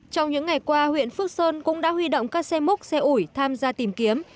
trong những ngày qua huyện phước sơn cũng đã huy động các xe múc xe ủi tham gia tìm kiếm